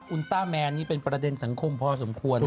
ต้าแมนนี่เป็นประเด็นสังคมพอสมควร